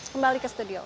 kembali ke studio